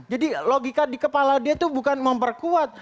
jadi logika di kepala dia itu bukan memperkuat